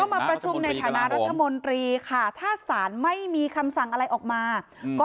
มาประชุมในฐานะรัฐมนตรีค่ะถ้าศาลไม่มีคำสั่งอะไรออกมาก็